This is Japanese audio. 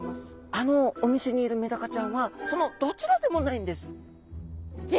あのお店にいるメダカちゃんはそのどちらでもないんです。え！？